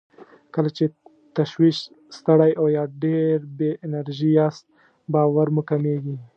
کله چې تشویش، ستړی او يا ډېر بې انرژي ياست باور مو کمېږي.